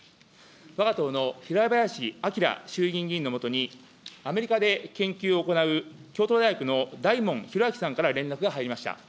わが党のひらばやしあきら衆議院議員のもとに、アメリカで研究を行う京都大学のだいもんひろあきさんから連絡が入りました。